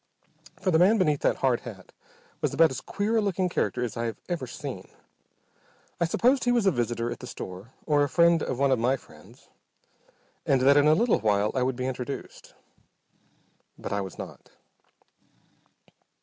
For the man beneath that hard hat was about as queer a looking character as I have ever seen. I supposed he was a visitor at the store, or a friend of one of my friends, and that in a little while I would be introduced. But I was not.